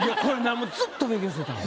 ずっと勉強してたん？